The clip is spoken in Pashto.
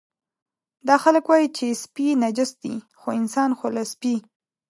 دا خلک وایي چې سپي نجس دي، خو انسان خو له سپي.